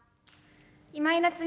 今井菜津美です。